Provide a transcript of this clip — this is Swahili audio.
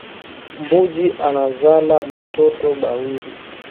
Mbuji anazala ba toto ba wili